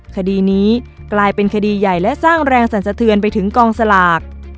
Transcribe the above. คดีนี้กลายเป็นคดีใหญ่และสร้างแรงสรรสะเทือนไปถึงกองสลาก